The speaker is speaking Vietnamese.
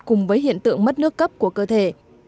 cùng với hiện tượng mất nước cấp của cơ thể